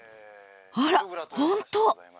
あら本当。